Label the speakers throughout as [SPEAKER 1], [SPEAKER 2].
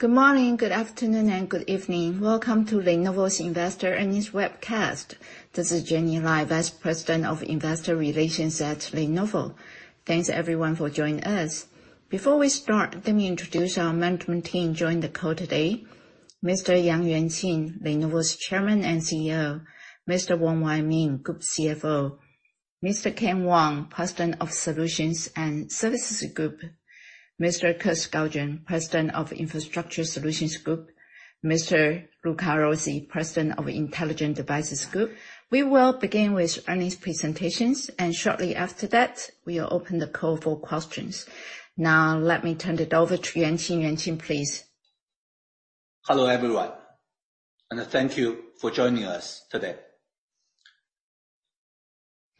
[SPEAKER 1] Good morning, good afternoon, and good evening. Welcome to Lenovo's Investor Earnings webcast. This is Jenny Lai, Vice President of Investor Relations at Lenovo. Thanks, everyone, for joining us. Before we start, let me introduce our management team joining the call today. Mr. Yang Yuanqing, Lenovo's Chairman and Chief Executive Officer. Mr. Wong Wai Ming, Group Chief Financial Officer. Mr. Ken Wong, President of Solutions and Services Group. Mr. Kirk Skaugen, President of Infrastructure Solutions Group. Mr. Luca Rossi, President of Intelligent Devices Group. We will begin with earnings presentations, and shortly after that, we will open the call for questions. Now, let me turn it over to Yuanqing. Yuanqing, please.
[SPEAKER 2] Hello, everyone. Thank you for joining us today.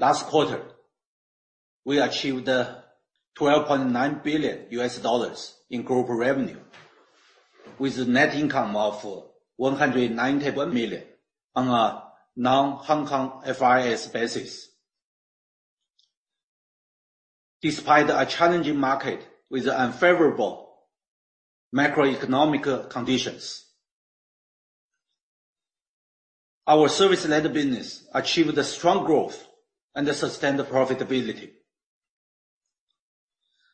[SPEAKER 2] Last quarter, we achieved $12.9 billion in global revenue, with a net income of $191 million on a non-HKFRS basis. Despite a challenging market with unfavorable macroeconomic conditions, our service-led business achieved a strong growth and a sustained profitability.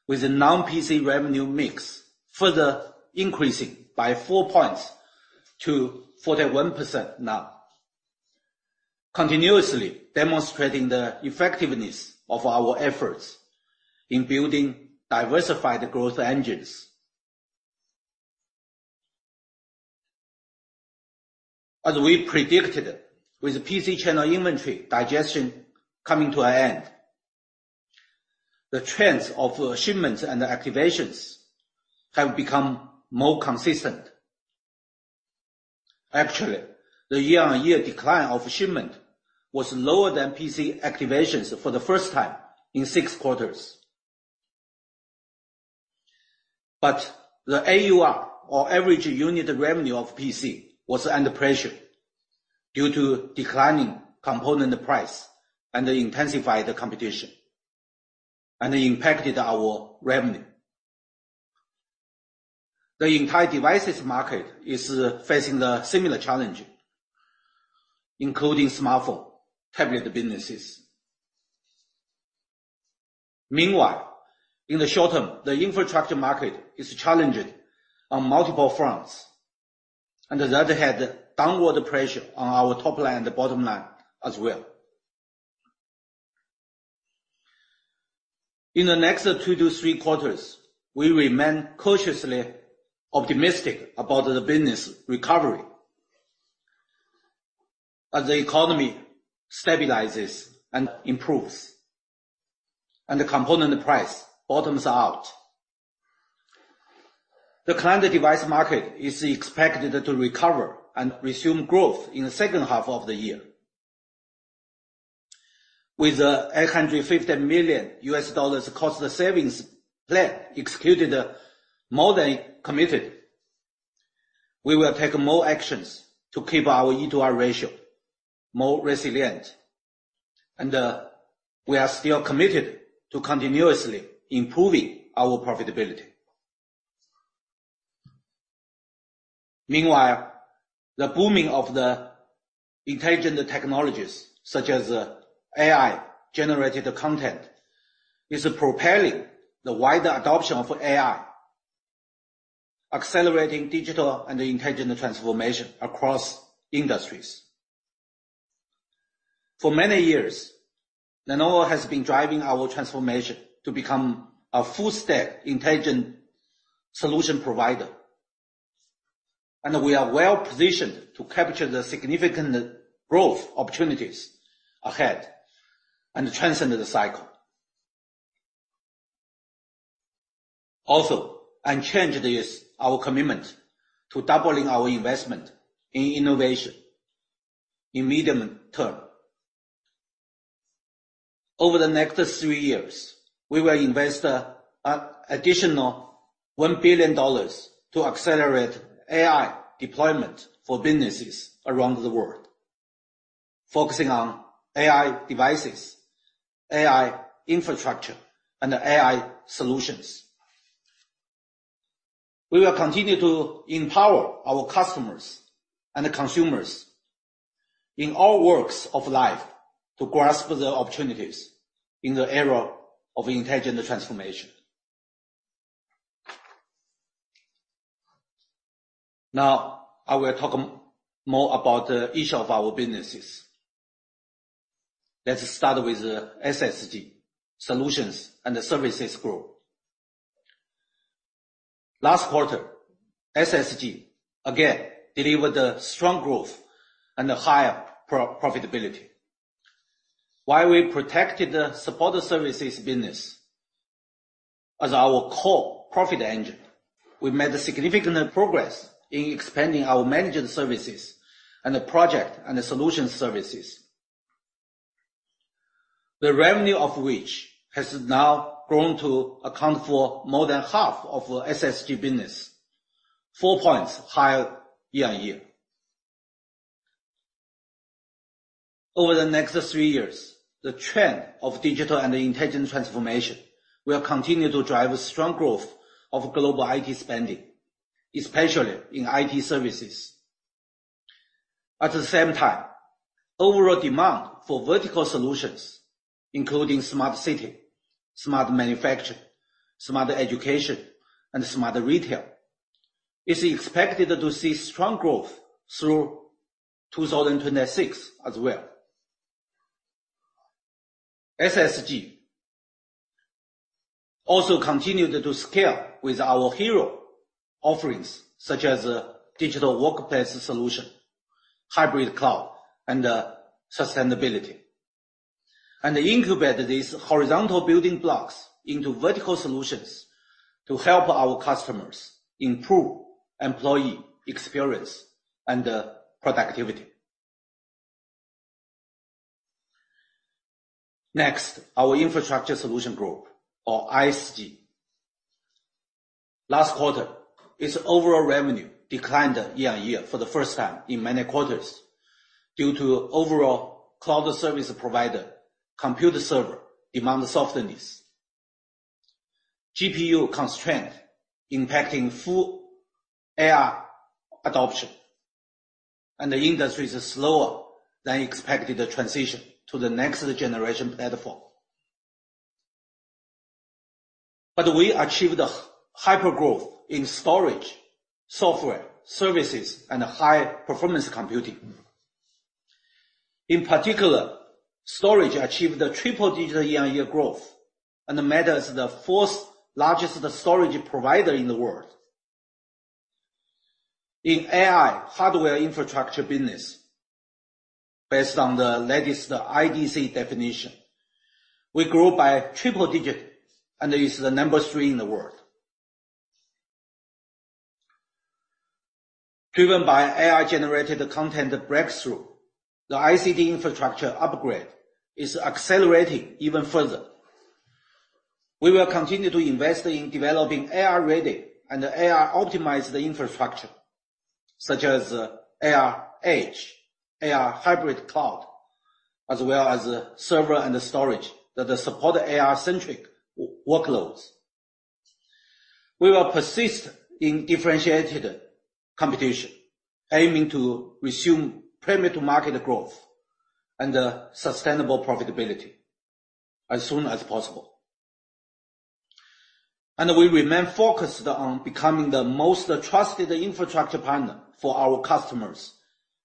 [SPEAKER 2] With a non-PC revenue mix further increasing by four points to 41% now, continuously demonstrating the effectiveness of our efforts in building diversified growth engines. As we predicted, with PC channel inventory digestion coming to an end, the trends of shipments and activations have become more consistent. Actually, the year-on-year decline of shipment was lower than PC activations for the first time in six quarters. The AUR, or average unit revenue of PC, was under pressure due to declining component price and intensified competition, and impacted our revenue. The entire devices market is facing a similar challenge, including smartphone, tablet businesses. Meanwhile, in the short term, the infrastructure market is challenged on multiple fronts, and that had downward pressure on our top line and bottom line as well. In the next two to three quarters, we remain cautiously optimistic about the business recovery as the economy stabilizes and improves, and the component price bottoms out. The client device market is expected to recover and resume growth in the second half of the year. With a $850 million cost savings plan executed more than committed, we will take more actions to keep our ETR ratio more resilient, and we are still committed to continuously improving our profitability. Meanwhile, the booming of the intelligent technologies, such as AI-generated content, is propelling the wider adoption of AI, accelerating digital and intelligent transformation across industries. For many years, Lenovo has been driving our transformation to become a full-stack intelligent solution provider, and we are well-positioned to capture the significant growth opportunities ahead and transcend the cycle. Also, unchanged is our commitment to doubling our investment in innovation in medium term. Over the next three years, we will invest an additional $1 billion to accelerate AI deployment for businesses around the world, focusing on AI devices, AI infrastructure, and AI solutions. We will continue to empower our customers and consumers in all walks of life to grasp the opportunities in the era of intelligent transformation. Now, I will talk more about each of our businesses. Let's start with SSG, Solutions and the Services Group. Last quarter, SSG again delivered a strong growth and a higher profitability. While we protected the support services business as our core profit engine, we made significant progress in expanding our managed services and the project and the solution services, the revenue of which has now grown to account for more than half of SSG business, four points higher year-on-year. Over the next three years, the trend of digital and intelligent transformation will continue to drive strong growth of global IT spending, especially in IT services. At the same time, overall demand for vertical solutions, including smart city, smart manufacturing, smart education, and smart retail, is expected to see strong growth through 2026 as well. SSG also continued to scale with our hero offerings, such as digital workplace solution, hybrid cloud, and sustainability, and incubate these horizontal building blocks into vertical solutions to help our customers improve employee experience and productivity. Our Infrastructure Solution Group, or ISG. Last quarter, its overall revenue declined year-on-year for the first time in many quarters due to overall cloud service provider, computer server demand softness, GPU constraint impacting full AI adoption, and the industry's slower than expected transition to the next-generation platform. We achieved a hyper growth in storage, software, services, and high-performance computing. In particular, storage achieved a triple-digit year-on-year growth, and made us the fourth largest storage provider in the world. In AI, hardware infrastructure business, based on the latest IDC definition, we grew by triple-digit and is the number three in the world. Driven by AI-generated content breakthrough, the ICT infrastructure upgrade is accelerating even further. We will continue to invest in developing AI-ready and AI-optimized infrastructure, such as Edge AI, AI Hybrid Cloud, as well as server and storage that support AI-centric workloads. We will persist in differentiated competition, aiming to resume premium-to-market growth and sustainable profitability as soon as possible. We remain focused on becoming the most trusted infrastructure partner for our customers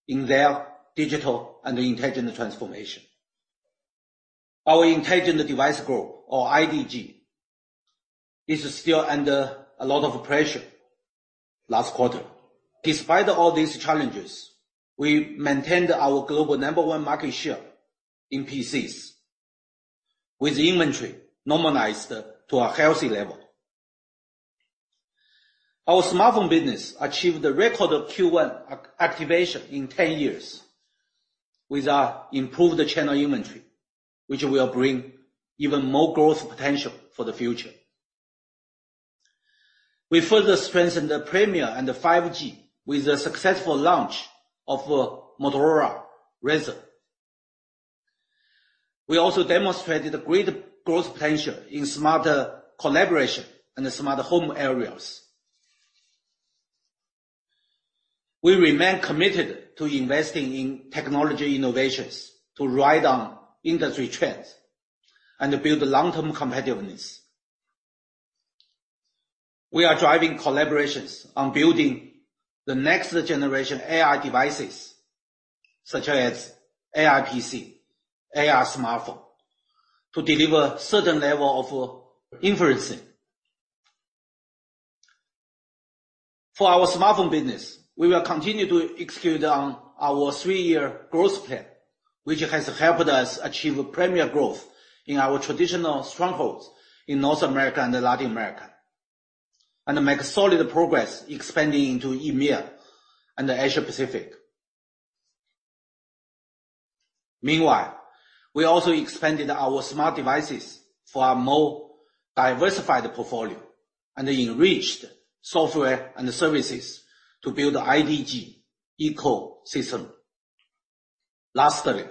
[SPEAKER 2] in their digital and intelligent transformation. Our Intelligent Device Group, or IDG, is still under a lot of pressure last quarter. Despite all these challenges, we maintained our global number one market share in PCs, with inventory normalized to a healthy level. Our smartphone business achieved a record Q1 activation in 10 years, with our improved channel inventory, which will bring even more growth potential for the future. We further strengthened the premium and the 5G with the successful launch of Motorola Razr. We also demonstrated great growth potential in smarter collaboration and smarter home areas. We remain committed to investing in technology innovations to ride on industry trends and build long-term competitiveness. We are driving collaborations on building the next-generation AI devices, such as AI PC, AI smartphone, to deliver certain level of inferencing. For our smartphone business, we will continue to execute on our three-year growth plan, which has helped us achieve premier growth in our traditional strongholds in North America and Latin America, and make solid progress expanding into EMEA and Asia-Pacific. Meanwhile, we also expanded our smart devices for a more diversified portfolio and enriched software and services to build IDG ecosystem. Lastly,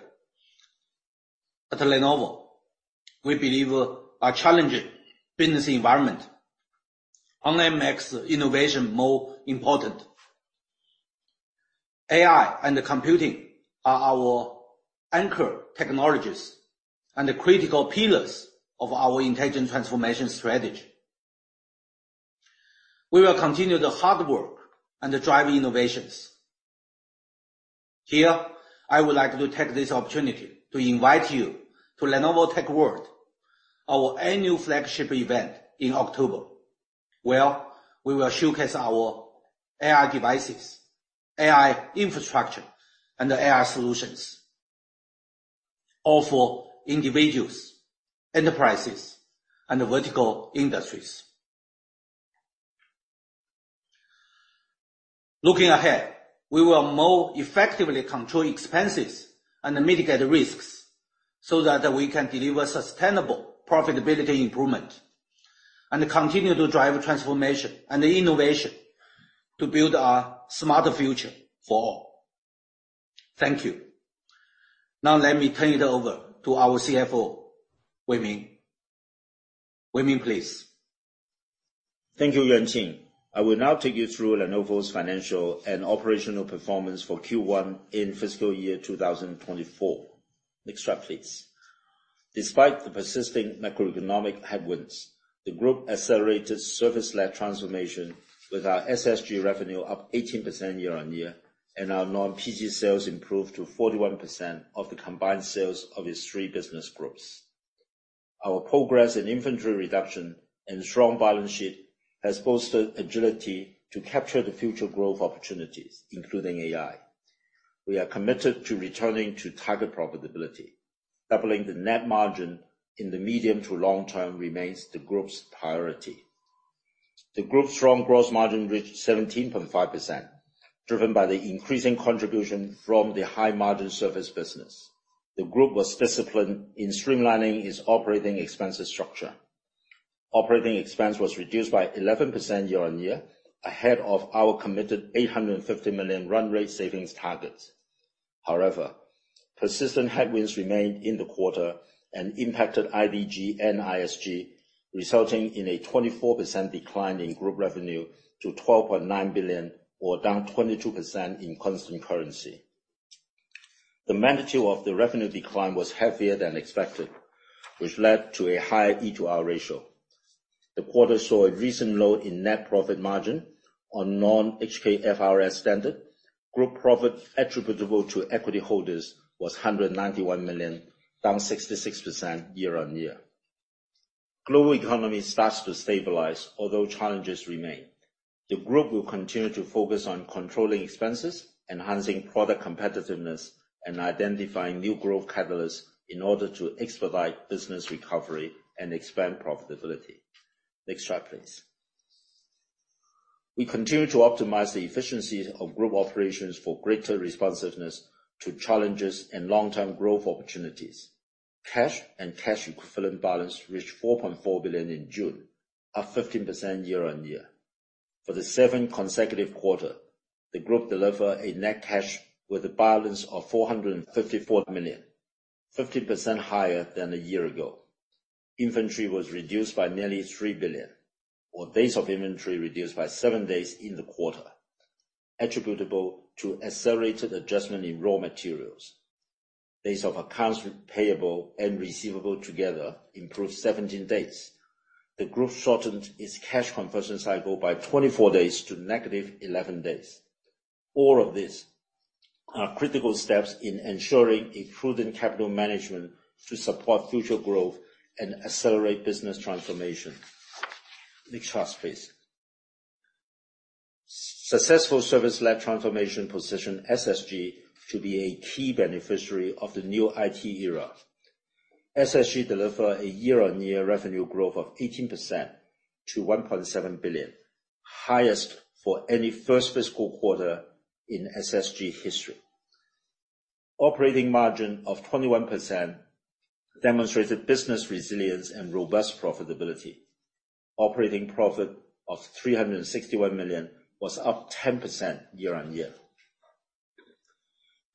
[SPEAKER 2] at Lenovo, we believe a challenging business environment only makes innovation more important. AI and computing are our anchor technologies and the critical pillars of our intelligent transformation strategy. We will continue the hard work and drive innovations. Here, I would like to take this opportunity to invite you to Lenovo Tech World, our annual flagship event in October, where we will showcase our AI devices, AI infrastructure, and AI solutions, all for individuals, enterprises, and vertical industries. Looking ahead, we will more effectively control expenses and mitigate risks, so that we can deliver sustainable profitability improvement, and continue to drive transformation and innovation to build a smarter future for all. Thank you. Now let me turn it over to our Chief Financial Officer, Wai Ming. Wai Ming, please.
[SPEAKER 3] Thank you, Yuanqing. I will now take you through Lenovo's financial and operational performance for Q1 in fiscal year 2024. Next slide, please. Despite the persisting macroeconomic headwinds, the group accelerated service-led transformation with our SSG revenue up 18% year-on-year, and our non-PC sales improved to 41% of the combined sales of its three business groups. Our progress in inventory reduction and strong balance sheet has bolstered agility to capture the future growth opportunities, including AI. We are committed to returning to target profitability. Doubling the net margin in the medium to long term remains the group's priority. The group's strong gross margin reached 17.5%, driven by the increasing contribution from the high-margin service business. The group was disciplined in streamlining its operating expenses structure. Operating expense was reduced by 11% year-on-year, ahead of our committed $850 million run rate savings targets. Persistent headwinds remained in the quarter and impacted IDG and ISG, resulting in a 24% decline in group revenue to $12.9 billion, or down 22% in constant currency. The magnitude of the revenue decline was heavier than expected, which led to a higher ETR ratio. The quarter saw a recent low in net profit margin on non-HKFRS standard. Group profit attributable to equity holders was $191 million, down 66% year-on-year. Global economy starts to stabilize, although challenges remain. The group will continue to focus on controlling expenses, enhancing product competitiveness, and identifying new growth catalysts in order to expedite business recovery and expand profitability. Next slide, please. We continue to optimize the efficiency of group operations for greater responsiveness to challenges and long-term growth opportunities. Cash and cash equivalent balance reached $4.4 billion in June, up 15% year-over-year. For the seventh consecutive quarter, the group delivered a net cash with a balance of $454 million, 15% higher than a year ago. Inventory was reduced by nearly $3 billion, or days of inventory reduced by seven days in the quarter, attributable to accelerated adjustment in raw materials. Days of accounts payable and receivable together improved 17 days. The group shortened its cash conversion cycle by 24 days to -11 days. All of these are critical steps in ensuring a prudent capital management to support future growth and accelerate business transformation. Next slide, please. Successful service-led transformation positioned SSG to be a key beneficiary of the new IT era. SSG delivered a year-on-year revenue growth of 18% to $1.7 billion, highest for any first fiscal quarter in SSG history. Operating margin of 21% demonstrated business resilience and robust profitability. Operating profit of $361 million was up 10% year-on-year.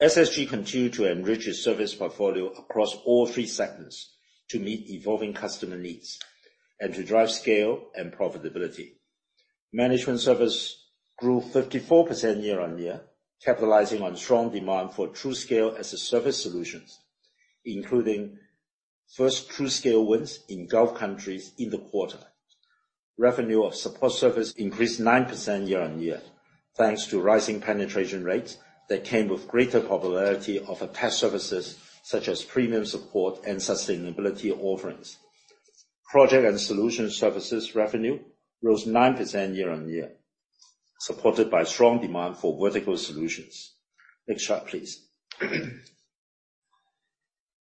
[SPEAKER 3] SSG continued to enrich its service portfolio across all three segments to meet evolving customer needs and to drive scale and profitability. Management service grew 54% year-on-year, capitalizing on strong demand for TruScale as-a-Service solutions, including first TruScale wins in Gulf countries in the quarter. Revenue of support service increased 9% year-on-year, thanks to rising penetration rates that came with greater popularity of attached services, such as Premium Support and sustainability offerings. Project and solution services revenue rose 9% year-on-year, supported by strong demand for vertical solutions. Next slide, please.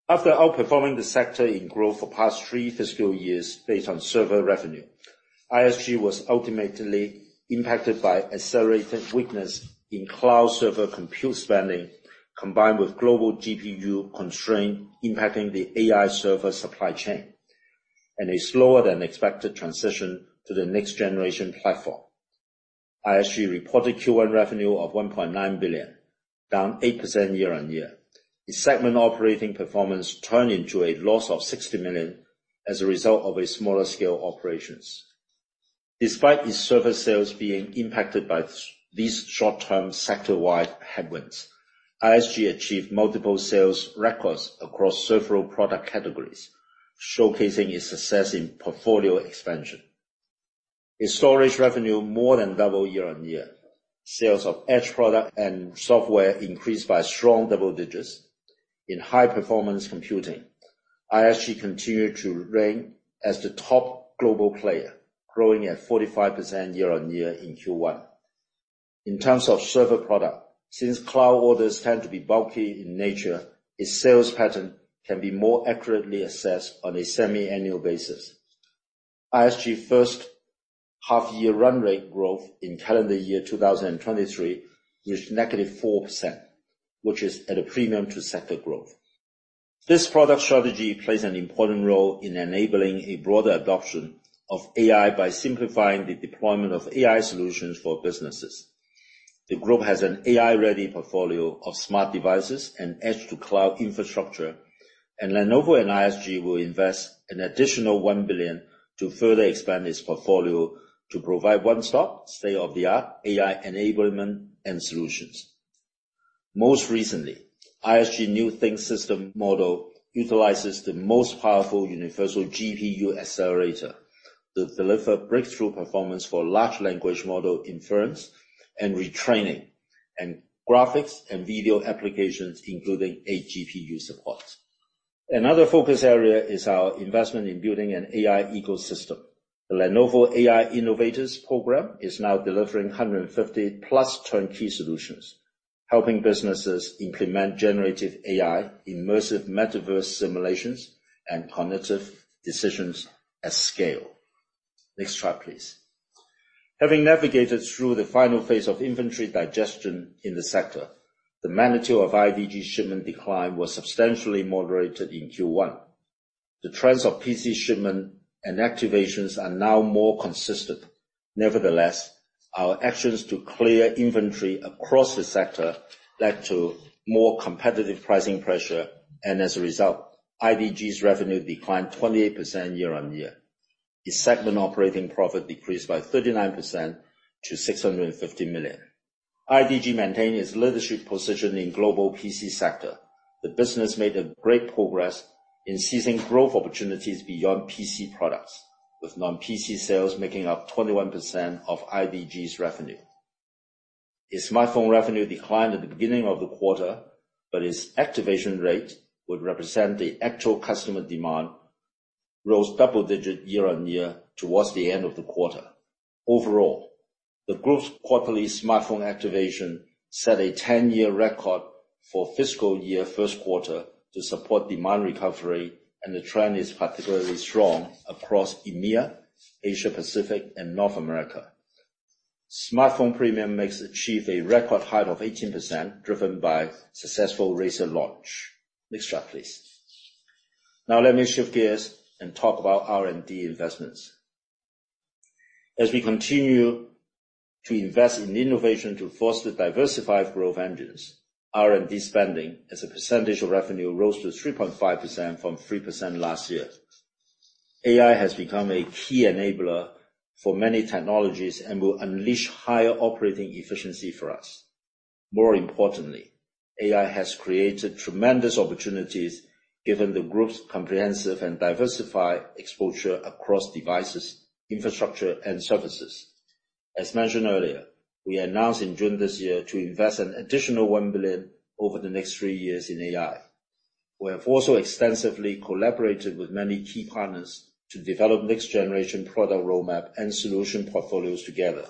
[SPEAKER 3] After outperforming the sector in growth for past three fiscal years based on server revenue, ISG was ultimately impacted by accelerated weakness in cloud server compute spending, combined with global GPU constraint impacting the AI server supply chain, and a slower-than-expected transition to the next-generation platform. ISG reported Q1 revenue of $1.9 billion, down 8% year-on-year. Its segment operating performance turned into a loss of $60 million as a result of its smaller scale operations. Despite its server sales being impacted by these short-term sector-wide headwinds, ISG achieved multiple sales records across several product categories, showcasing its success in portfolio expansion. Its storage revenue more than doubled year-on-year. Sales of edge product and software increased by strong double digits. In high-performance computing, ISG continued to reign as the top global player, growing at 45% year-on-year in Q1. In terms of server product, since cloud orders tend to be bulky in nature, its sales pattern can be more accurately assessed on a semi-annual basis. ISG first half-year run rate growth in calendar year 2023, reached -4%, which is at a premium to sector growth. This product strategy plays an important role in enabling a broader adoption of AI by simplifying the deployment of AI solutions for businesses. The group has an AI-ready portfolio of smart devices and edge-to-cloud infrastructure. Lenovo and ISG will invest an additional $1 billion to further expand its portfolio to provide one-stop, state-of-the-art AI enablement and solutions. Most recently, ISG new ThinkSystem model utilizes the most powerful universal GPU accelerator to deliver breakthrough performance for large language model inference and retraining, and graphics and video applications, including 8-GPU support. Another focus area is our investment in building an AI ecosystem. The Lenovo AI Innovators program is now delivering 150+ turnkey solutions, helping businesses implement generative AI, immersive metaverse simulations, and cognitive decisions at scale. Next chart, please. Having navigated through the final phase of inventory digestion in the sector, the magnitude of IDG shipment decline was substantially moderated in Q1. The trends of PC shipment and activations are now more consistent. Nevertheless, our actions to clear inventory across the sector led to more competitive pricing pressure, and as a result, IDG's revenue declined 28% year-on-year. Its segment operating profit decreased by 39% to $650 million. IDG maintained its leadership position in global PC sector. The business made great progress in seizing growth opportunities beyond PC products, with non-PC sales making up 21% of IDG's revenue. Its smartphone revenue declined at the beginning of the quarter. Its activation rate, would represent the actual customer demand, rose double-digit year-on-year towards the end of the quarter. Overall, the group's quarterly smartphone activation set a 10-year record for fiscal year 1st quarter to support demand recovery. The trend is particularly strong across EMEA, Asia-Pacific, and North America. Smartphone premium makes achieve a record high of 18%, driven by successful Razr launch. Next chart, please. Let me shift gears and talk about R&D investments. As we continue to invest in innovation to foster diversified growth engines, R&D spending as a percentage of revenue rose to 3.5% from 3% last year. AI has become a key enabler for many technologies and will unleash higher operating efficiency for us. More importantly, AI has created tremendous opportunities given the group's comprehensive and diversified exposure across devices, infrastructure, and services. As mentioned earlier, we announced in June this year to invest an additional $1 billion over the next three years in AI. We have also extensively collaborated with many key partners to develop next-generation product roadmap and solution portfolios together.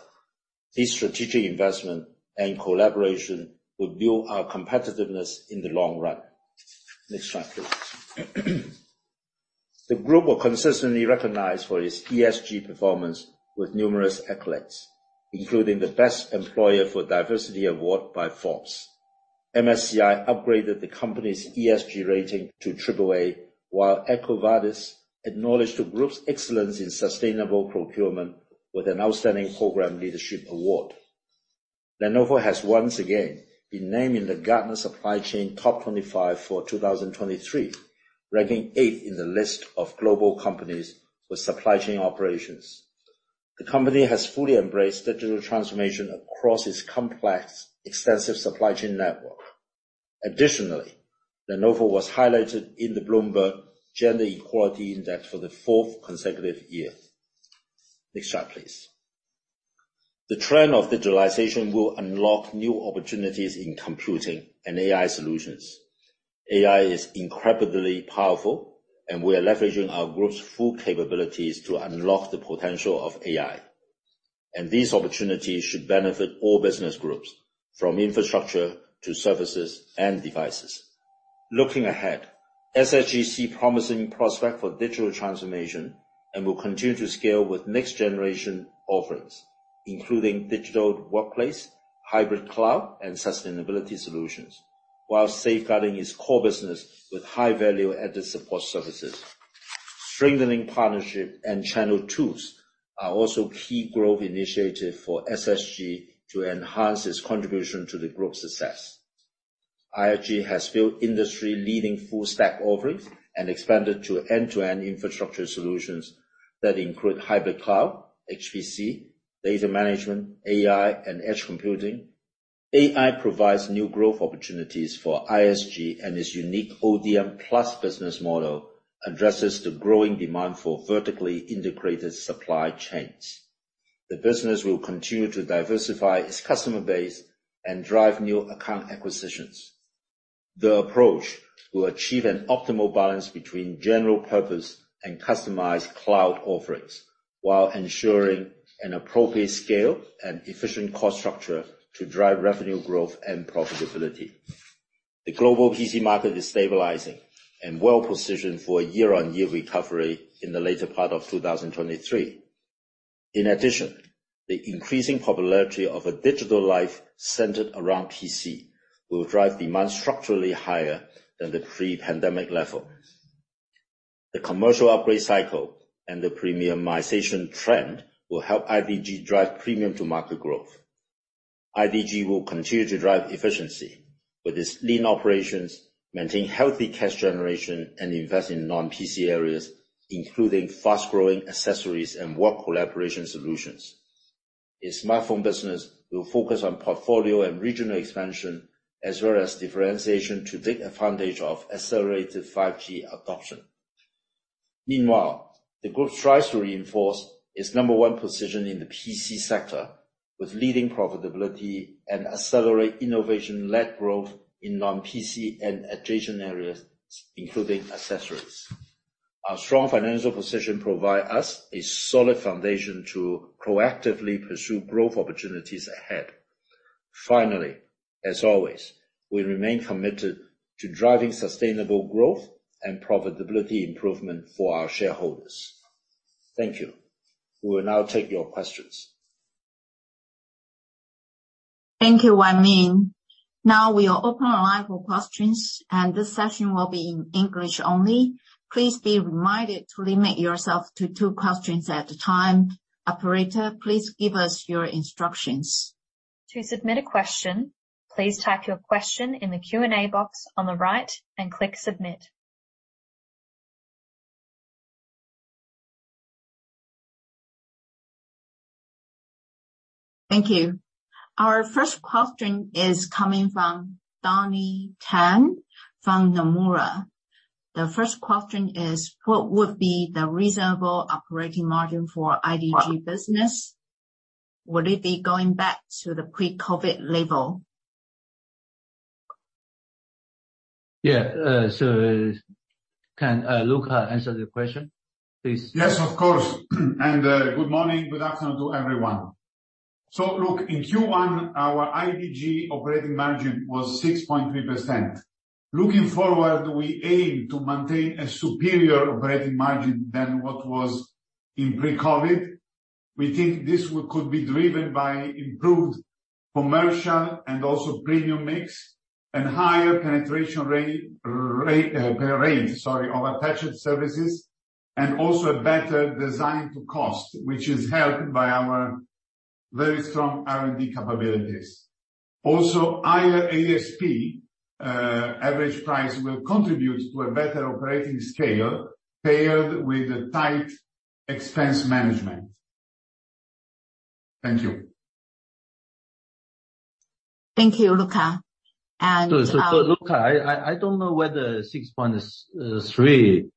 [SPEAKER 3] This strategic investment and collaboration will build our competitiveness in the long run. Next chart, please. The group was consistently recognized for its ESG performance with numerous accolades, including the Best Employers for Diversity award by Forbes. MSCI upgraded the company's ESG rating to AAA, while EcoVadis acknowledged the group's excellence in sustainable procurement with an Outstanding Program Leadership Award. Lenovo has once again been named in the Gartner Supply Chain Top 25 for 2023, ranking 8th in the list of global companies with supply chain operations. The company has fully embraced digital transformation across its complex, extensive supply chain network. Additionally, Lenovo was highlighted in the Bloomberg Gender-Equality Index for the fourth consecutive year. Next chart, please. The trend of digitalization will unlock new opportunities in computing and AI solutions. AI is incredibly powerful, and we are leveraging our group's full capabilities to unlock the potential of AI. These opportunities should benefit all business groups, from infrastructure to services and devices. Looking ahead, SSG see promising prospect for digital transformation and will continue to scale with next-generation offerings, including digital workplace, hybrid cloud, and sustainability solutions, while safeguarding its core business with high-value-added support services. Strengthening partnership and channel tools are also key growth initiative for SSG to enhance its contribution to the group's success. ISG has built industry-leading full-stack offerings and expanded to end-to-end infrastructure solutions that include hybrid cloud, HPC, data management, AI, and edge computing. AI provides new growth opportunities for ISG, and its unique ODM+ business model addresses the growing demand for vertically integrated supply chains. The business will continue to diversify its customer base and drive new account acquisitions. The approach will achieve an optimal balance between general purpose and customized cloud offerings, while ensuring an appropriate scale and efficient cost structure to drive revenue growth and profitability. The global PC market is stabilizing and well-positioned for a year-on-year recovery in the later part of 2023. In addition, the increasing popularity of a digital life centered around PC will drive demand structurally higher than the pre-pandemic level. The commercial upgrade cycle and the premiumization trend will help IDG drive premium-to-market growth. IDG will continue to drive efficiency with its lean operations, maintain healthy cash generation, and invest in non-PC areas, including fast-growing accessories and work collaboration solutions. Its smartphone business will focus on portfolio and regional expansion, as well as differentiation to take advantage of accelerated 5G adoption. Meanwhile, the group tries to reinforce its number one position in the PC sector with leading profitability and accelerate innovation-led growth in non-PC and adjacent areas, including accessories. Our strong financial position provide us a solid foundation to proactively pursue growth opportunities ahead. Finally, as always, we remain committed to driving sustainable growth and profitability improvement for our shareholders. Thank you. We will now take your questions.
[SPEAKER 1] Thank you, Wai Ming. Now we are open the line for questions, and this session will be in English only. Please be reminded to limit yourself to two questions at a time. Operator, please give us your instructions. To submit a question, please type your question in the Q&A box on the right and click Submit. Thank you. Our first question is coming from Duane Tan, from Nomura. The first question is: What would be the reasonable operating margin for IDG business? Would it be going back to the pre-COVID level?
[SPEAKER 2] Yeah, can, Luca answer the question, please?
[SPEAKER 4] Yes, of course. Good morning, good afternoon to everyone. Look, in Q1, our IDG operating margin was 6.3%. Looking forward, we aim to maintain a superior operating margin than what was in pre-COVID. We think this could be driven by improved commercial and also premium mix, and higher penetration rate, range, sorry, of attached services, and also a better design to cost, which is helped by our very strong R&D capabilities. Also, higher ASP, average price, will contribute to a better operating scale, paired with tight expense management. Thank you.
[SPEAKER 1] Thank you, Luca.
[SPEAKER 3] Luca, I don't know whether 6.3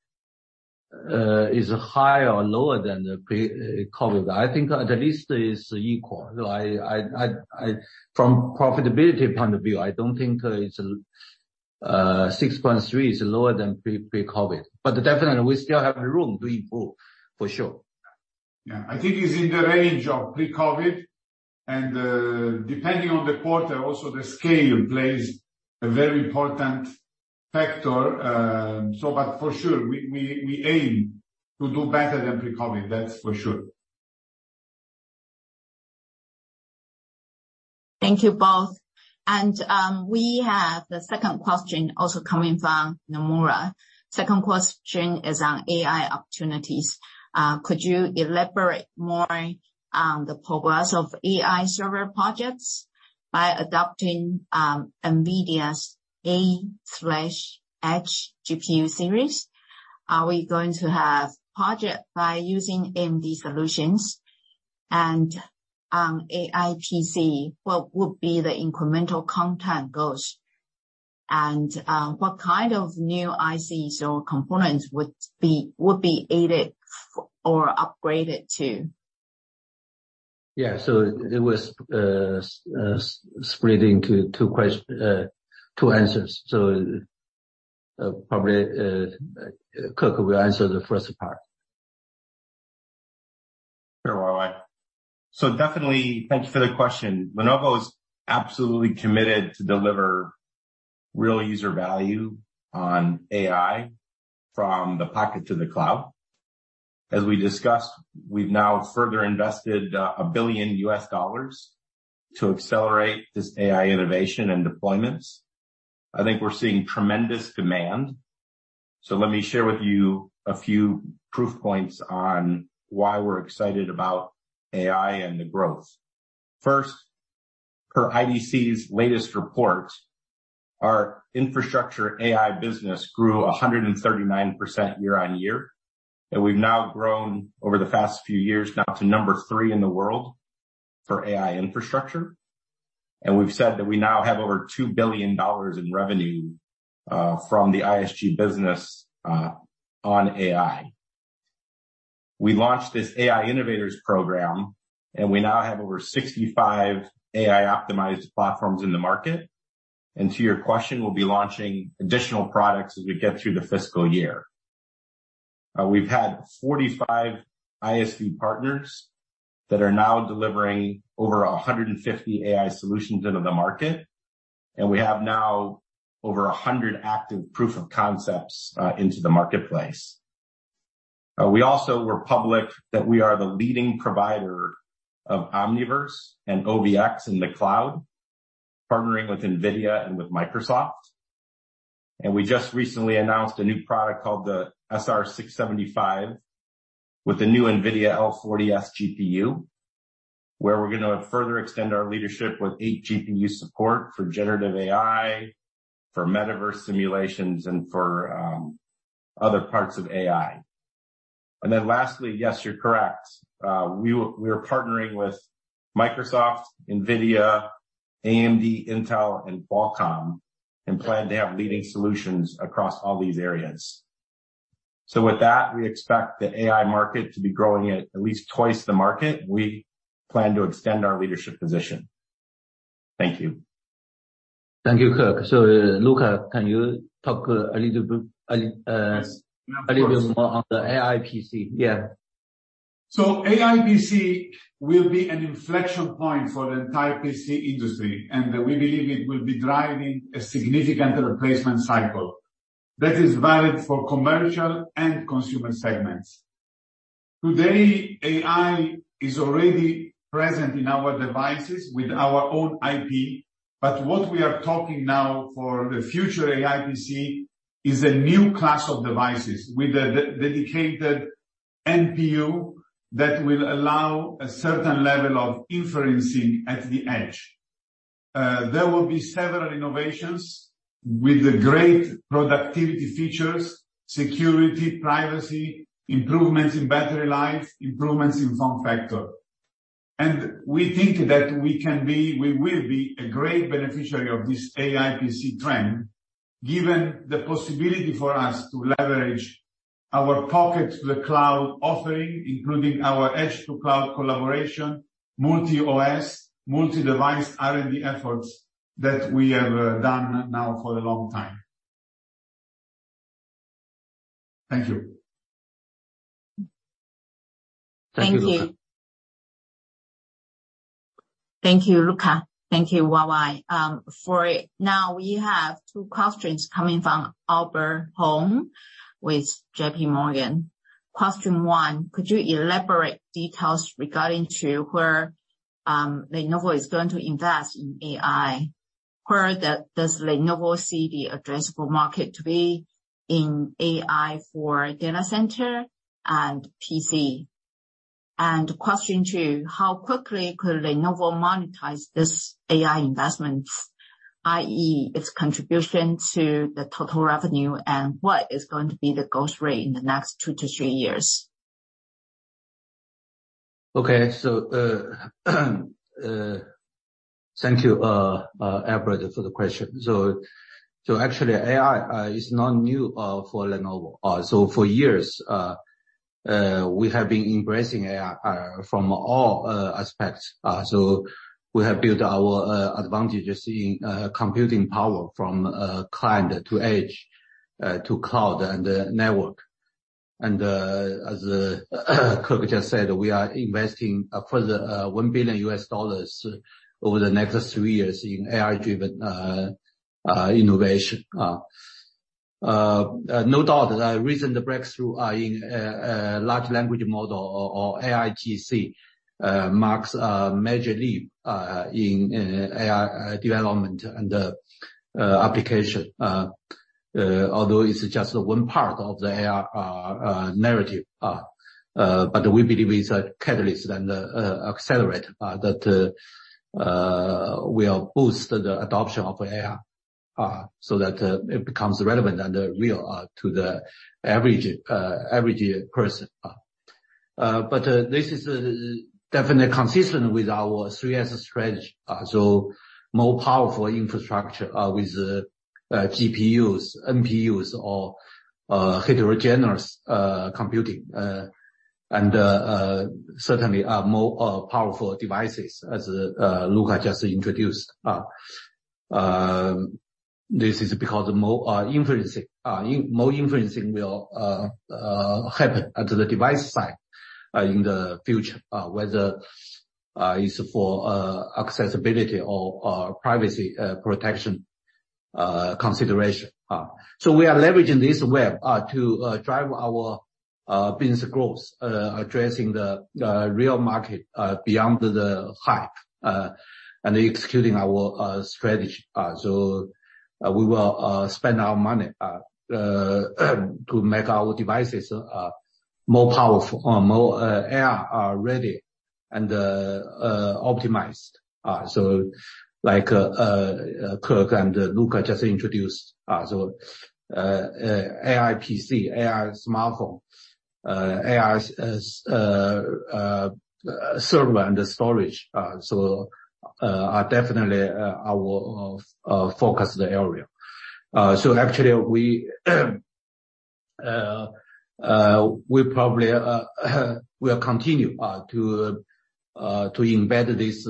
[SPEAKER 3] is higher or lower than the pre-COVID. I think at least it's equal. From profitability point of view, I don't think it's 6.3 is lower than pre-COVID, but definitely we still have room to improve, for sure.
[SPEAKER 4] Yeah, I think it's in the range of pre-COVID, and depending on the quarter, also the scale plays a very important factor. But for sure, we, we, we aim to do better than pre-COVID, that's for sure.
[SPEAKER 1] Thank you both. We have the second question also coming from Nomura. Second question is on AI opportunities. Could you elaborate more on the progress of AI server projects by adopting NVIDIA's A/H GPU series? Are we going to have project by using NVIDIA solutions? AI PC, what would be the incremental content goals, and what kind of new ICs or components would be, would be added or upgraded to?
[SPEAKER 2] Yeah. It was, split into two two answers. Probably, Kirk will answer the first part.
[SPEAKER 5] Sure, Wai Ming. Definitely, thank you for the question. Lenovo is absolutely committed to deliver real user value on AI from the pocket to the cloud. As we discussed, we've now further invested $1 billion to accelerate this AI innovation and deployments. I think we're seeing tremendous demand. Let me share with you a few proof points on why we're excited about AI and the growth. First, per IDC's latest report, our infrastructure AI business grew 139% year-over-year, and we've now grown over the past few years now to number three in the world for AI infrastructure. We've said that we now have over $2 billion in revenue from the ISG business on AI. We launched this AI Innovators Program, and we now have over 65 AI-optimized platforms in the market. To your question, we'll be launching additional products as we get through the fiscal year. We've had 45 ISV partners that are now delivering over 150 AI solutions into the market, and we have now over 100 active proof-of-concepts into the marketplace. We also were public that we are the leading provider of Omniverse and OVX in the cloud, partnering with NVIDIA and with Microsoft. We just recently announced a new product called the SR-675, with the new NVIDIA L40S GPU, where we're gonna further extend our leadership with 8-GPU support for generative AI, for metaverse simulations, and for other parts of AI. Lastly, yes, you're correct. We were, we are partnering with Microsoft, NVIDIA, AMD, Intel, and Qualcomm, and plan to have leading solutions across all these areas. With that, we expect the AI market to be growing at at least twice the market. We plan to extend our leadership position. Thank you.
[SPEAKER 2] Thank you, Kirk. Luca, can you talk a little bit?
[SPEAKER 4] Yes.
[SPEAKER 2] A little bit more on the AI PC? Yeah.
[SPEAKER 4] AI PC will be an inflection point for the entire PC industry, and we believe it will be driving a significant replacement cycle that is valid for commercial and consumer segments. Today, AI is already present in our devices with our own IP, but what we are talking now for the future AI PC is a new class of devices with a dededicated NPU that will allow a certain level of inferencing at the edge. There will be several innovations with great productivity features, security, privacy, improvements in battery life, improvements in form factor. We think that we can be, we will be a great beneficiary of this AI PC trend, given the possibility for us to leverage our pocket to the cloud offering, including our edge to cloud collaboration, multi-OS, multi-device R&D efforts that we have done now for a long time. Thank you.
[SPEAKER 2] Thank you, Luca.
[SPEAKER 1] Thank you. Thank you, Luca. Thank you, Wai. For now, we have two questions coming from Albert Huang with JPMorgan. Question one, could you elaborate details regarding to where Lenovo is going to invest in AI? Where does Lenovo see the addressable market to be in AI for data center and PC? Question two, how quickly could Lenovo monetize this AI investment, i.e., its contribution to the total revenue, and what is going to be the growth rate in the next two to three years?
[SPEAKER 2] Okay, thank you, Albert, for the question. Actually, AI is not new for Lenovo. For years, we have been embracing AI from all aspects. We have built our advantages in computing power from client to edge, to cloud and network. As Kirk just said, we are investing a further $1 billion over the next three years in AI-driven innovation. No doubt, recent breakthrough in large language model or AIGC marks a major leap in AI development and application. Although it's just one part of the AI narrative, but we believe it's a catalyst and accelerator that will boost the adoption of AI so that it becomes relevant and real to the average person. This is definitely consistent with our 3S strategy. More powerful infrastructure with GPUs, NPUs, or heterogeneous computing. Certainly more powerful devices, as Luca just introduced. This is because more inferencing, more inferencing will happen at the device side in the future, whether it's for accessibility or privacy protection consideration. We are leveraging this wave to drive our business growth, addressing the real market beyond the hype and executing our strategy. We will spend our money to make our devices more powerful or more AI ready and optimized. Like Kirk and Luca just introduced, AI PC, AI smartphone, AI server and storage are definitely our focused area. Actually, we probably will continue to embed this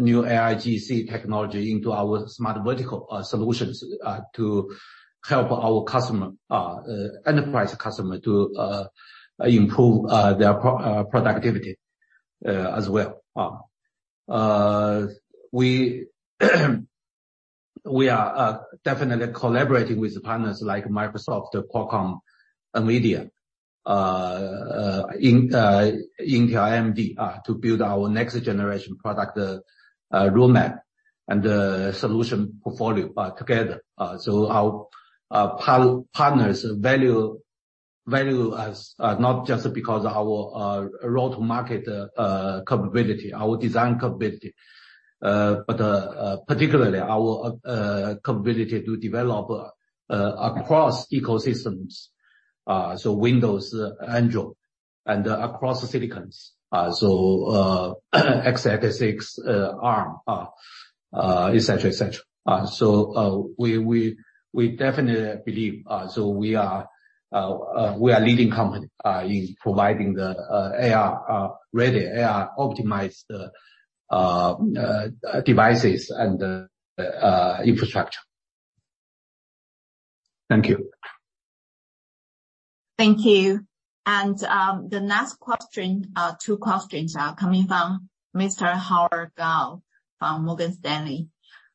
[SPEAKER 2] new AIGC technology into our smart vertical solutions to help our customer, enterprise customer to improve their productivity as well. We are definitely collaborating with partners like Microsoft, Qualcomm, and MediaTek, in Intel, NVIDIA, to build our next-generation product roadmap and solution portfolio together. Our partners value us not just because our road-to-market capability, our design capability, but particularly our capability to develop across ecosystems. Windows, Android, and across the silicons. x86, ARM, et cetera, et cetera. We definitely believe so we are a leading company in providing the AI ready, AI optimized devices and infrastructure. Thank you.
[SPEAKER 1] Thank you. The next question, two questions are coming from Mr. Howard Kao from Morgan Stanley.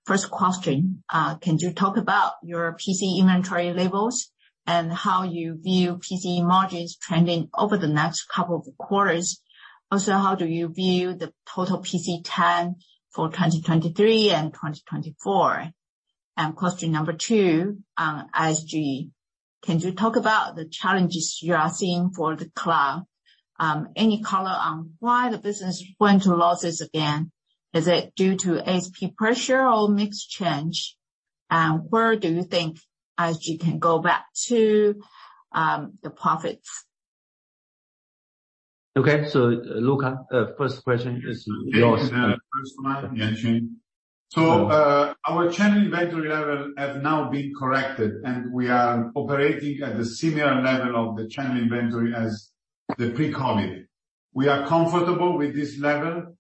[SPEAKER 1] First question: Can you talk about your PC inventory levels and how you view PC margins trending over the next couple of quarters? Also, how do you view the total PC time for 2023 and 2024? Question two on ISG: Can you talk about the challenges you are seeing for the cloud? Any color on why the business went to losses again, is it due to ASP pressure or mix change? Where do you think ISG can go back to the profits?
[SPEAKER 2] Okay, Luca, first question is yours.
[SPEAKER 4] Thank you, first one, Yuanqing. Our channel inventory level have now been corrected, and we are operating at a similar level of the channel inventory as the pre-COVID. We are comfortable with this level,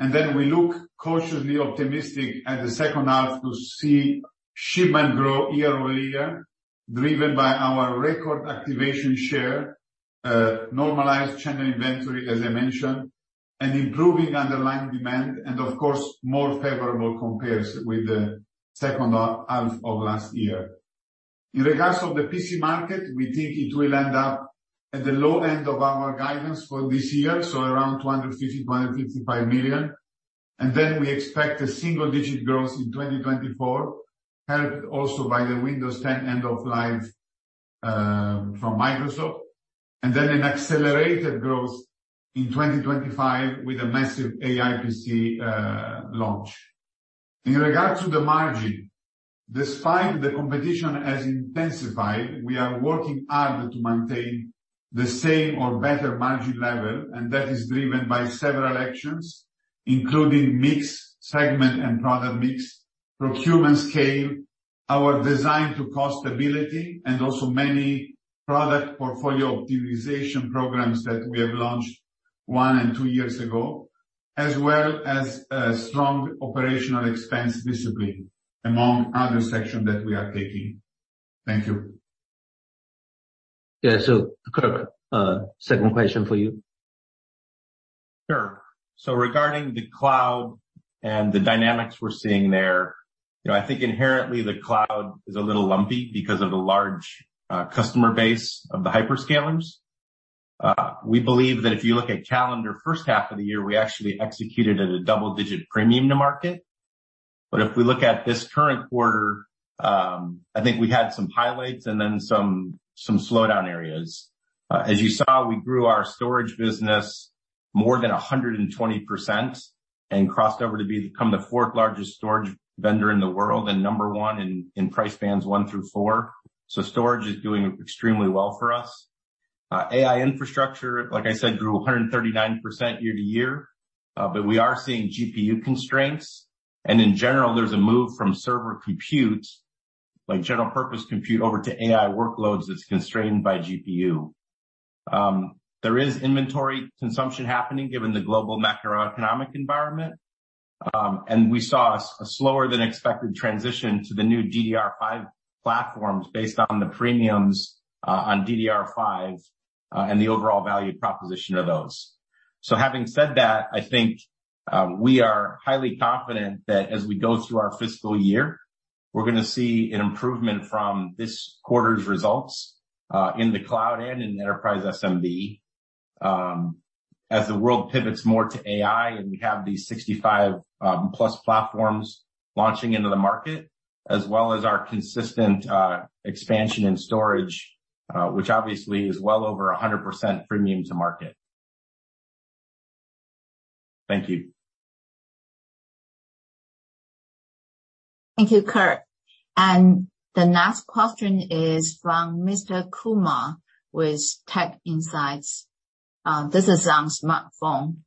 [SPEAKER 4] we look cautiously optimistic at the second half to see shipment grow year-over-year, driven by our record activation share, normalized channel inventory, as I mentioned, improving underlying demand, and of course, more favorable comparison with the second half of last year. In regards to the PC market, we think it will end up at the low end of our guidance for this year, so around 250-155 million. We expect a single-digit growth in 2024, helped also by the Windows 10 end of life from Microsoft, then an accelerated growth in 2025 with a massive AI PC launch. In regards to the margin, despite the competition has intensified, we are working hard to maintain the same or better margin level, and that is driven by several actions, including mix, segment and product mix, procurement scale, our design to cost ability, and also many product portfolio optimization programs that we have launched one and two years ago, as well as a strong OpEx discipline, among other sections that we are taking. Thank you.
[SPEAKER 2] Yeah, Kirk, second question for you.
[SPEAKER 5] Sure. Regarding the cloud and the dynamics we're seeing there, you know, I think inherently the cloud is a little lumpy because of the large customer base of the hyperscalers. We believe that if you look at calendar first half of the year, we actually executed at a double-digit premium-to-market. If we look at this current quarter, I think we had some highlights and then some slowdown areas. As you saw, we grew our storage business more than 120% and crossed over to become the fouth largest storage vendor in the world, and number 1 in price bands 1 through 4. Storage is doing extremely well for us. AI infrastructure, like I said, grew 139% year-over-year, but we are seeing GPU constraints. In general, there's a move from server compute, like general purpose compute, over to AI workloads that's constrained by GPU. There is inventory consumption happening given the global macroeconomic environment. We saw a slower than expected transition to the new DDR5 platforms based on the premiums on DDR5 and the overall value proposition of those. Having said that, I think we are highly confident that as we go through our fiscal year, we're going to see an improvement from this quarter's results in the cloud and in enterprise SMB. As the world pivots more to AI, and we have these 65+ platforms launching into the market, as well as our consistent expansion in storage, which obviously is well over a 100% premium-to-market. Thank you.
[SPEAKER 1] Thank you, Kirk. The next question is from Mr. Kumar with TechInsights. This is on smartphone.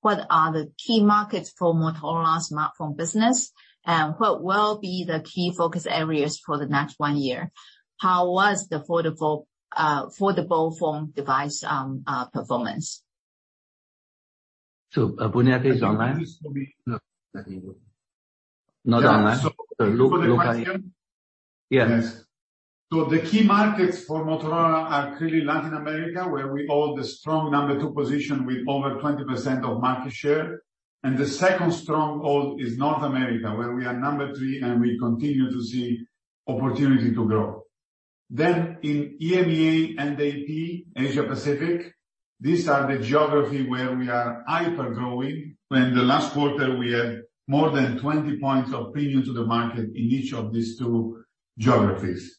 [SPEAKER 1] What are the key markets for Motorola smartphone business? What will be the key focus areas for the next one year? How was the foldable phone device performance.
[SPEAKER 2] Buniac is online? No, not online. Yes.
[SPEAKER 4] The key markets for Motorola are clearly Latin America, where we hold the strong number two position with over 20% of market share. The second strong hold is North America, where we are number three, and we continue to see opportunity to grow. In EMEA and AP, Asia-Pacific, these are the geographies where we are hyper-growing. When the last quarter, we had more than 20-points of opinion to the market in each of these two geographies.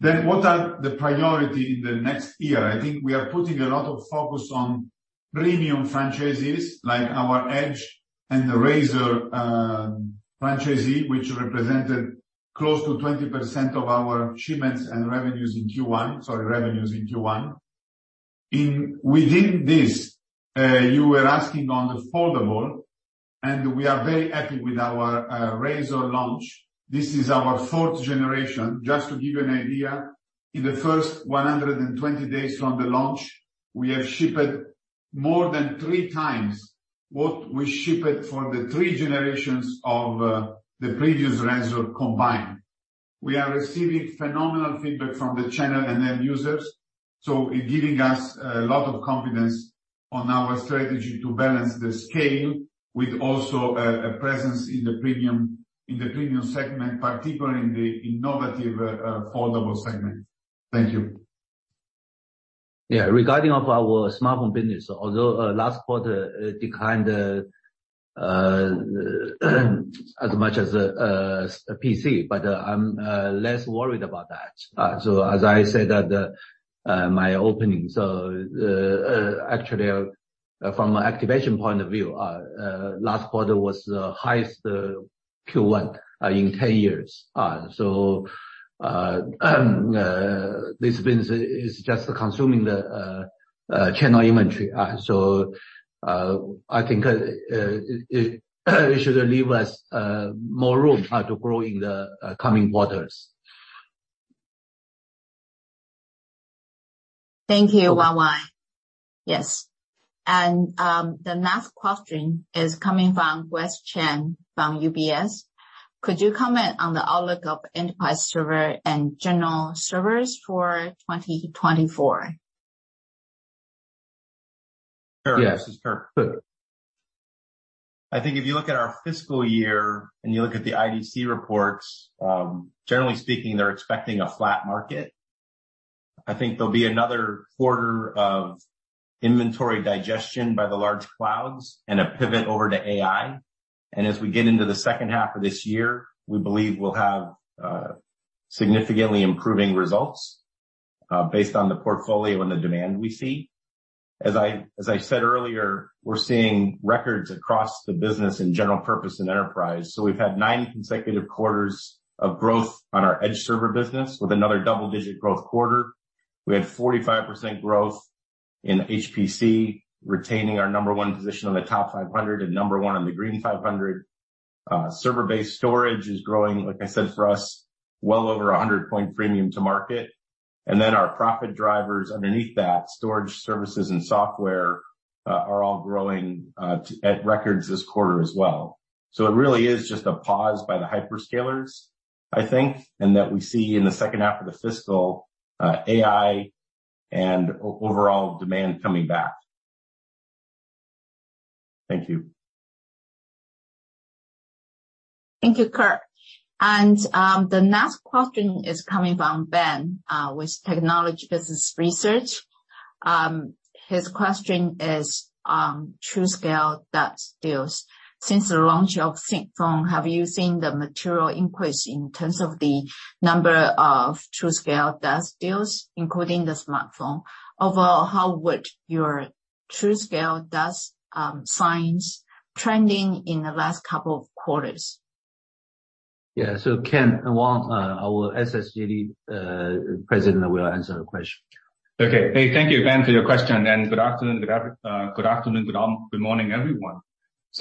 [SPEAKER 4] What are the priorities in the next year? I think we are putting a lot of focus on premium franchises, like our Edge and the Razr, franchise, which represented close to 20% of our shipments and revenues in Q1. Within this, you were asking on the foldable, we are very happy with our Razr launch. This is our 4th generation. Just to give you an idea, in the first 120 days from the launch, we have shipped more than 3x what we shipped for the three generations of the previous Razr combined. We are receiving phenomenal feedback from the channel and end users, so it's giving us a lot of confidence on our strategy to balance the scale with also a presence in the premium segment, particularly in the innovative foldable segment. Thank you.
[SPEAKER 2] Yeah. Regarding of our smartphone business, although last quarter declined as much as PC, but I'm less worried about that. As I said at my opening, actually, from an activation point of view, last quarter was the highest Q1 in 10 years. This business is just consuming the channel inventory. I think it should leave us more room to grow in the coming quarters.
[SPEAKER 1] Thank you, Wang Wai. Yes. The next question is coming from West Chen from UBS. Could you comment on the outlook of enterprise server and general servers for 2024?
[SPEAKER 5] Sure. This is Kirk. I think if you look at our fiscal year and you look at the IDC reports, generally speaking, they're expecting a flat market. I think there'll be another quarter of inventory digestion by the large clouds and a pivot over to AI. As we get into the second half of this year, we believe we'll have significantly improving results, based on the portfolio and the demand we see. As I, as I said earlier, we're seeing records across the business in general purpose and enterprise. We've had nine consecutive quarters of growth on our edge server business, with another double-digit growth quarter. We had 45% growth in HPC, retaining our number one position on the TOP500 and number one on the Green500. Server-based storage is growing, like I said, for us, well over a 100 point premium-to-market. Our profit drivers underneath that, storage, services, and software, are all growing at records this quarter as well. It really is just a pause by the hyperscalers, I think, and that we see in the second half of the fiscal, AI and overall demand coming back. Thank you.
[SPEAKER 1] Thank you, Kirk. The next question is coming from Ben, with Technology Business Research. His question is, TruScale DaaS deals. Since the launch of ThinkPhone, have you seen the material increase in terms of the number of TruScale DaaS deals, including the smartphone? Overall, how would your TruScale DaaS signs trending in the last couple of quarters?
[SPEAKER 2] Yeah. Ken Wong, our SSG President, will answer the question.
[SPEAKER 6] Okay. Hey, thank you, Ben, for your question. Good afternoon, good morning, everyone.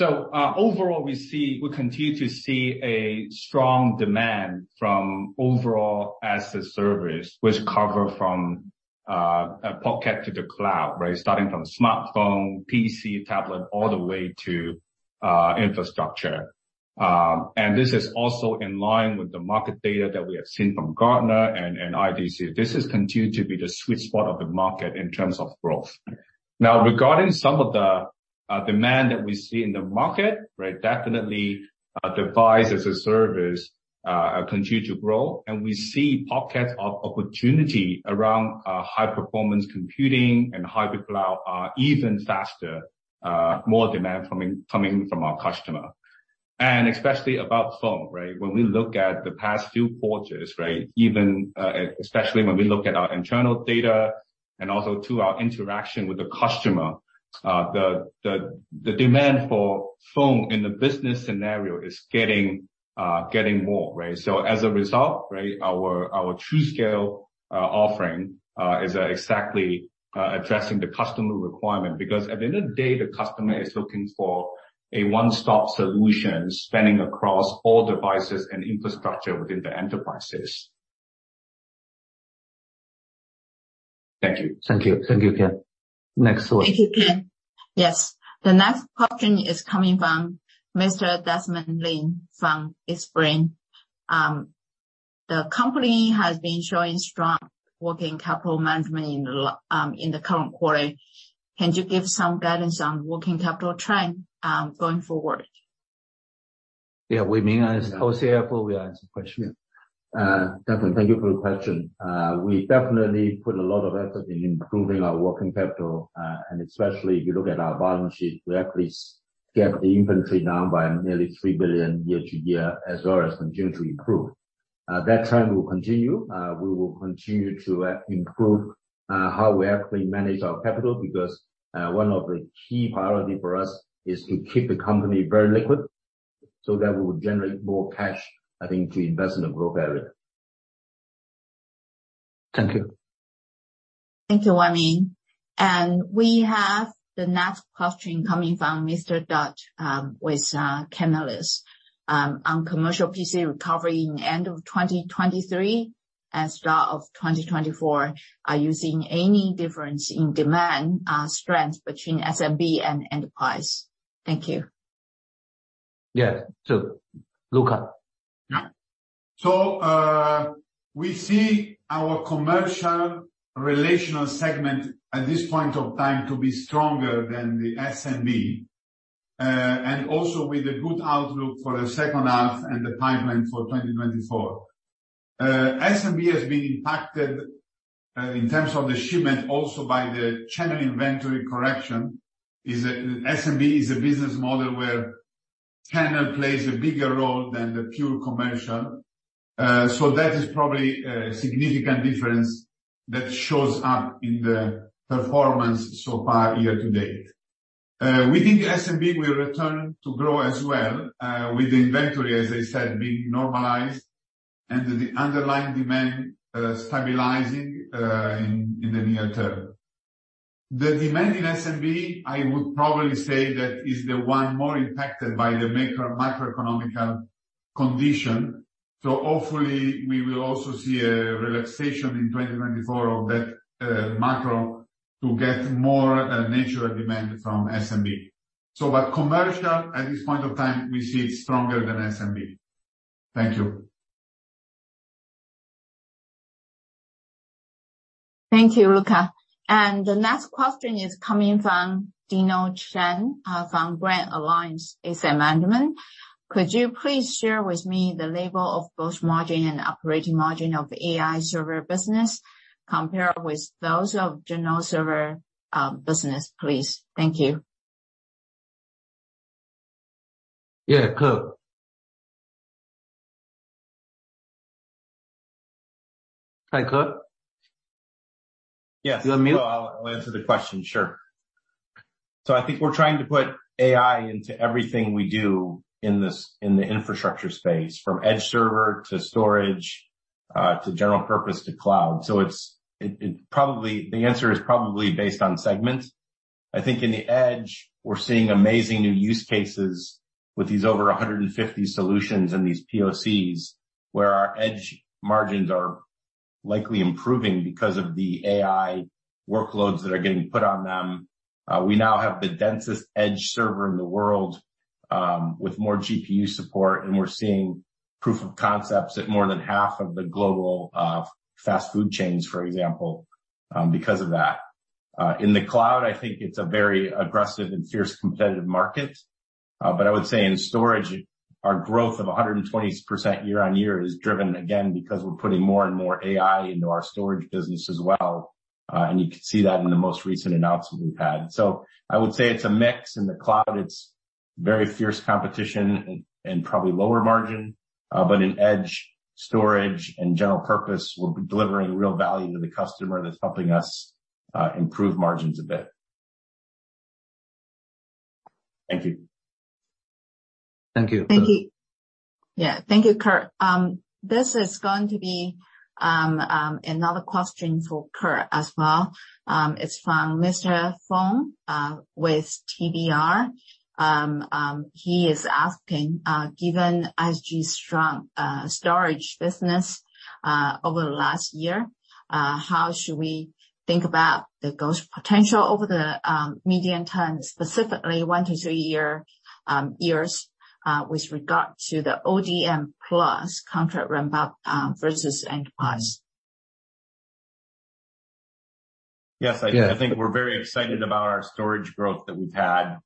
[SPEAKER 6] Overall, we see, we continue to see a strong demand from overall as-a-Service, which cover from pocket to the cloud, right? Starting from smartphone, PC, tablet, all the way to infrastructure. This is also in line with the market data that we have seen from Gartner and IDC. This is continued to be the sweet spot of the market in terms of growth. Now, regarding some of the demand that we see in the market, right, definitely, device as-a-Service continue to grow. We see pockets of opportunity around high-performance computing and hybrid cloud, even faster, more demand coming from our customer. Especially about phone, right? When we look at the past few quarters, right, even, especially when we look at our internal data and also to our interaction with the customer, the demand for phone in the business scenario is getting more, right. As a result, right, our TruScale offering is exactly addressing the customer requirement. At the end of the day, the customer is looking for a one-stop solution, spanning across all devices and infrastructure within the enterprises.
[SPEAKER 2] Thank you. Ken. Next one.
[SPEAKER 1] Thank you, Ken. Yes, the next question is coming from Mr. Desmond Ling from DBS. The company has been showing strong working capital management in the current quarter. Can you give some guidance on working capital trend, going forward?
[SPEAKER 2] Yeah, Wai Ming, as CFO, will answer the question.
[SPEAKER 3] Desmond, thank you for the question. We definitely put a lot of effort in improving our working capital. Especially if you look at our balance sheet, we actually kept the inventory down by nearly $3 billion year-over-year, as well as continuing to improve. That trend will continue. We will continue to improve how we actually manage our capital, because one of the key priority for us is to keep the company very liquid, so that we will generate more cash, I think, to invest in the growth area. Thank you.
[SPEAKER 1] Thank you, Wai Ming. We have the next question coming from Mr. Dutt, with Canalys. On commercial PC recovery in end of 2023 and start of 2024, are you seeing any difference in demand, strength between SMB and enterprise? Thank you.
[SPEAKER 2] Yeah. So, Luca?
[SPEAKER 4] We see our commercial relational segment at this point of time to be stronger than the SMB. Also with a good outlook for the second half and the pipeline for 2024. SMB has been impacted in terms of the shipment, also by the channel inventory correction, is that SMB is a business model where channel plays a bigger role than the pure commercial. That is probably a significant difference that shows up in the performance so far year to date. We think SMB will return to grow as well, with the inventory, as I said, being normalized and the underlying demand stabilizing in the near term. The demand in SMB, I would probably say that is the one more impacted by the macro, macroeconomic condition. Hopefully, we will also see a relaxation in 2024 of that macro to get more natural demand from SMB. Commercial, at this point of time, we see it stronger than SMB. Thank you.
[SPEAKER 1] Thank you, Luca. The next question is coming from Dino Chen, from Grand Alliance Asset Management. Could you please share with me the label of both margin and operating margin of AI server business, compared with those of general server business, please? Thank you.
[SPEAKER 2] Yeah, Kirk. Hi, Kirk?
[SPEAKER 5] Yes.
[SPEAKER 2] You unmuted.
[SPEAKER 5] I'll answer the question, sure. The answer is probably based on segments. I think in the edge, we're seeing amazing new use cases with these over 150 solutions and these POCs, where our edge margins are likely improving because of the AI workloads that are getting put on them. We now have the densest edge server in the world, with more GPU support, and we're seeing proof-of-concepts at more than half of the global fast food chains, for example, because of that. In the cloud, I think it's a very aggressive and fierce competitive market. I would say in storage, our growth of 120% year-over-year is driven again, because we're putting more and more AI into our storage business as well. You can see that in the most recent announcements we've had. I would say it's a mix. In the cloud, it's very fierce competition and probably lower margin. In edge, storage and general purpose, we're delivering real value to the customer that's helping us improve margins a bit. Thank you.
[SPEAKER 2] Thank you.
[SPEAKER 1] Thank you. Yeah. Thank you, Kirk. This is going to be another question for Kirk as well. It's from Mr. Fong with TBR. He is asking, "Given ISG's strong storage business over the last year, how should we think about the growth potential over the medium term, specifically one to three years, with regard to the ODM+ contract ramp-up versus enterprise?
[SPEAKER 5] Yes.
[SPEAKER 2] Yeah.
[SPEAKER 5] I think we're very excited about our storage growth that we've had.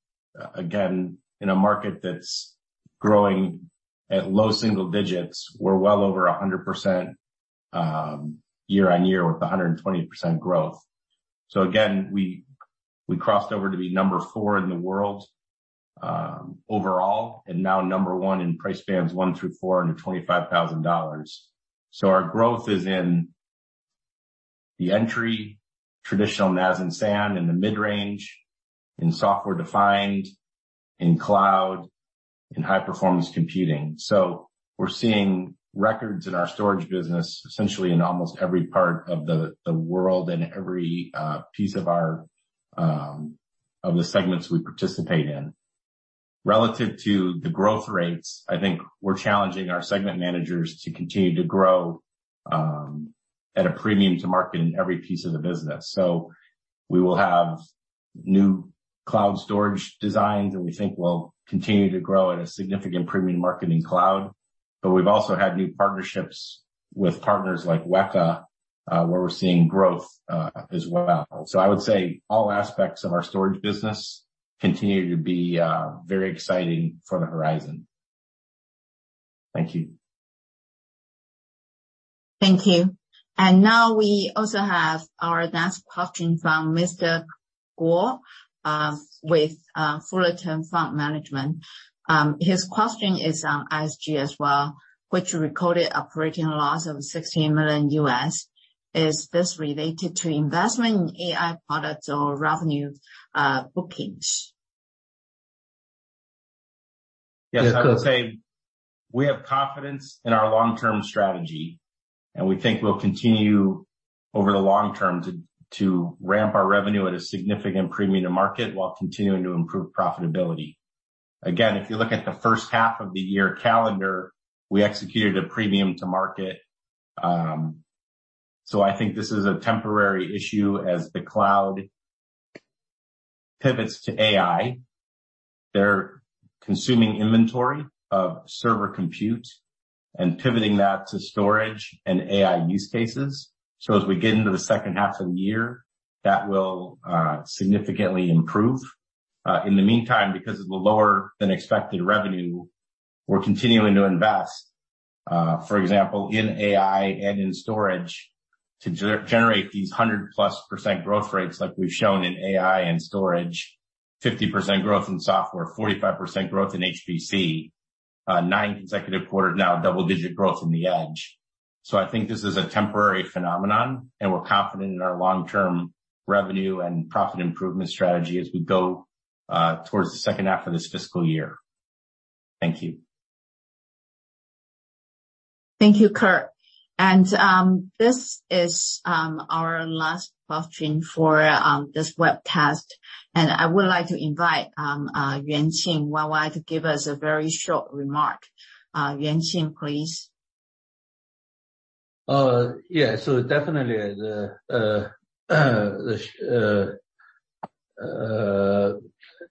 [SPEAKER 5] Again, in a market that's growing at low single digits, we're well over 100% year-over-year, with 120% growth. Again, we crossed over to be number four in the world overall, and now number one in price bands one through four, under $25,000. Our growth is in the entry, traditional NAS and SAN, in the mid-range, in software-defined, in cloud, in high-performance computing. We're seeing records in our storage business, essentially in almost every part of the world and every piece of our of the segments we participate in. Relative to the growth rates, I think we're challenging our segment managers to continue to grow at a premium-to-market in every piece of the business. We will have new cloud storage designs, and we think we'll continue to grow at a significant premium market in cloud. We've also had new partnerships with partners like Weka, where we're seeing growth as well. I would say all aspects of our storage business continue to be very exciting for the horizon. Thank you.
[SPEAKER 1] Thank you. Now we also have our next question from Mr. Guo with Fullerton Fund Management. His question is on ISG as well, which recorded operating loss of $16 million. Is this related to investment in AI products or revenue bookings?
[SPEAKER 5] Yes, I would say we have confidence in our long-term strategy, we think we'll continue over the long term to ramp our revenue at a significant premium-to-market while continuing to improve profitability. Again, if you look at the first half of the year calendar, we executed a premium-to-market. I think this is a temporary issue as the cloud pivots to AI. They're consuming inventory of server compute and pivoting that to storage and AI use cases. As we get into the second half of the year, that will significantly improve. In the meantime, because of the lower than expected revenue, we're continuing to invest, for example, in AI and in storage, to generate these 100+% growth rates like we've shown in AI and storage, 50% growth in software, 45% growth in HPC, nine consecutive quarters, now double-digit growth in the edge. I think this is a temporary phenomenon, and we're confident in our long-term revenue and profit improvement strategy as we go towards the second half of this fiscal year. Thank you.
[SPEAKER 1] Thank you, Kirk. This is our last question for this webcast. I would like to invite Yang Yuanqing to give us a very short remark. Yuanqing, please.
[SPEAKER 2] transcript of a speech given by an individual. Yeah, so definitely,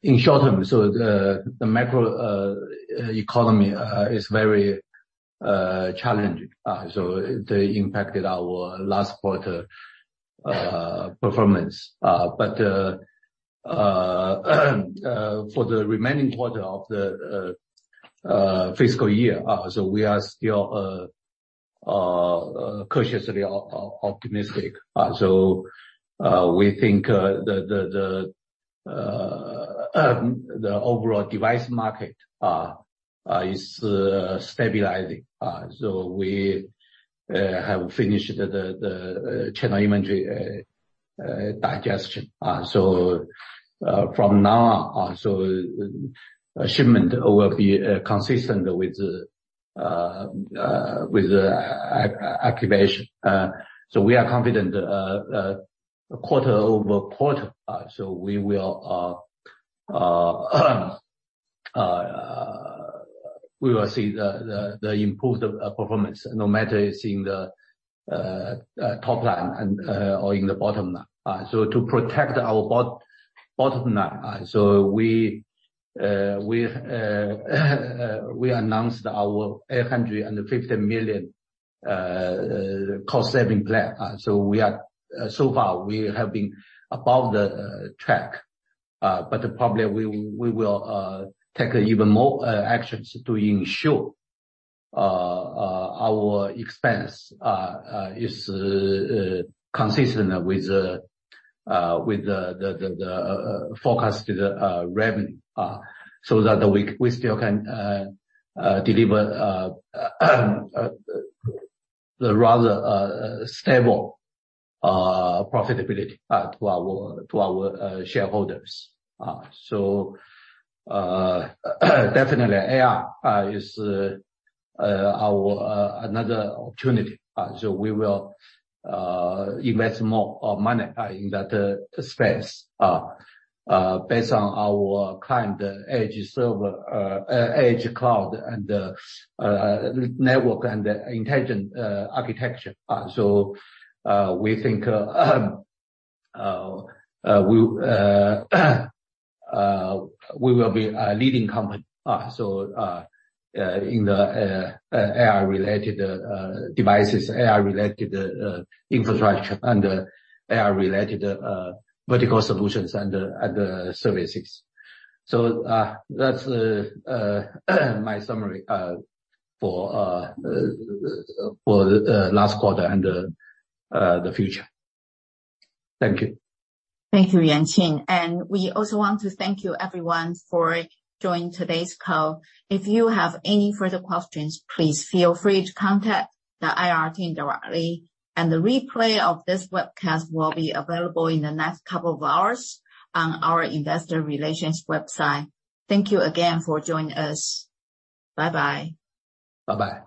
[SPEAKER 2] the short-term macro economy is very challenging. It impacted our last quarter's performance. But for the remaining quarter of the fiscal year, we are still cautiously optimistic. We think the overall device market is stabilizing. We have finished the channel inventory digestion. From now on, shipment will be consistent with the activation. We are confident quarter over quarter We will, we will see the improved performance, no matter it's in the top line and or in the bottom line. To protect our bottom line, we, we, we announced our $850 million cost saving plan. We are, so far, we have been above the track, but probably we, we will take even more actions to ensure our expense is consistent with the forecasted revenue, so that we still can deliver a rather stable profitability to our, to our shareholders. Definitely AI is our another opportunity. We will invest more money in that space based on our current edge server, edge cloud, and network and intelligent architecture. We think we will be a leading company in the AI-related devices, AI-related infrastructure and AI-related vertical solutions and services. That's my summary for for the last quarter and the future. Thank you.
[SPEAKER 1] Thank you, Yuanqing. We also want to thank you everyone for joining today's call. If you have any further questions, please feel free to contact the IR team directly, and the replay of this webcast will be available in the next couple of hours on our investor relations website. Thank you again for joining us. Bye-bye.
[SPEAKER 2] Bye-bye.